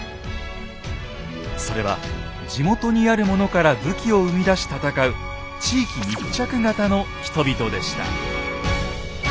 それは地元にあるものから武器を生み出し戦う地域密着型の人々でした。